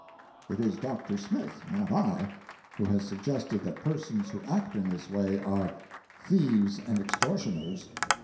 " It is Dr. Smith, not I, who has suggested that persons who act in this way are "thieves and extortioners."